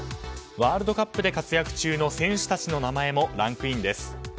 ワールドカップで活躍中の選手たちの名前もランクインです。